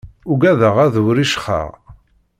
Ugadeɣ ad wriccxeɣ.